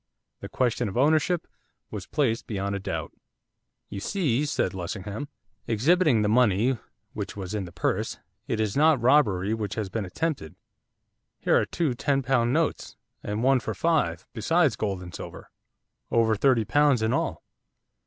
The question of ownership was placed beyond a doubt. 'You see,' said Lessingham, exhibiting the money which was in the purse, 'it is not robbery which has been attempted. Here are two ten pound notes, and one for five, besides gold and silver, over thirty pounds in all.